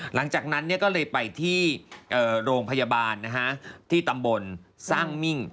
หลังจากนั้นก็เลยไปที่โรงพยาบาลที่ตำบลสร้างมิ่ง